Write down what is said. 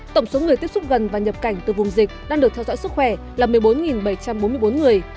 tổng số người tiếp xúc gần và nhập cảnh từ vùng dịch đang được theo dõi sức khỏe là một mươi bốn bảy trăm bốn mươi bốn người